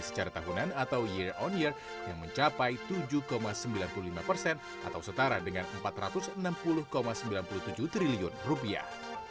secara tahunan atau year on year yang mencapai tujuh sembilan puluh lima persen atau setara dengan empat ratus enam puluh sembilan puluh tujuh triliun rupiah